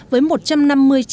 với một trang sách